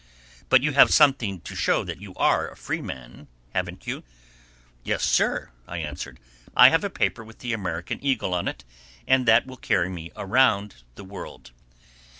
"But you have something to show that you are a freeman, haven't you?" "Yes, sir," I answered; "I have a paper with the American Eagle on it, and that will carry me around the world."